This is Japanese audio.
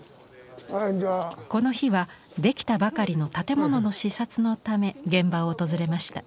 この日は出来たばかりの建物の視察のため現場を訪れました。